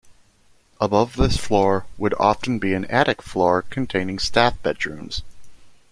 Above this floor would often be an attic floor containing staff bedrooms.